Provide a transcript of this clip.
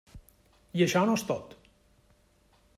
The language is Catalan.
I això no és tot.